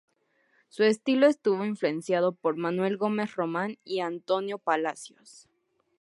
Su estilo estuvo influenciado por Manuel Gómez Román y Antonio Palacios.